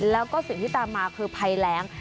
แล้วก็สิ่งที่ตามมาคือภัยแรง